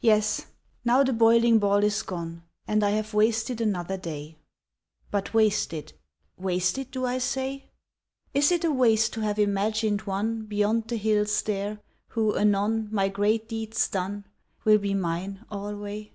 Yes: now the boiling ball is gone, And I have wasted another day ... But wasted—wasted, do I say? Is it a waste to have imaged one Beyond the hills there, who, anon, My great deeds done Will be mine alway?